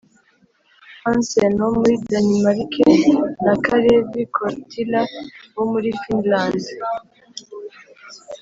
Hansen wo muri Danimarike na Kalevi Korttila wo muri Finilande